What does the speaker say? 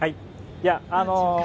いや、あの。